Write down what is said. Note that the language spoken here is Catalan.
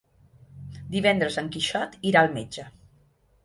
Divendres en Quixot irà al metge.